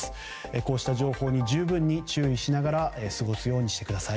こうした情報に十分に注意しながら過ごすようにしてください。